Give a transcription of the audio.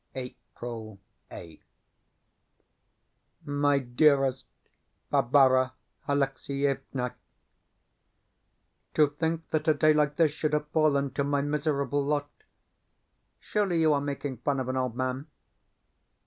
April 8th MY DEAREST BARBARA ALEXIEVNA, To think that a day like this should have fallen to my miserable lot! Surely you are making fun of an old man?...